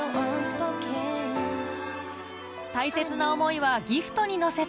大切な思いはギフトに乗せて